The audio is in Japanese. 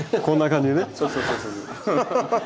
こんな感じ。